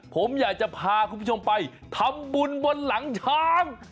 ผมอยากจะพาคุณผู้ชมไปทำบุญบนหลังช้าง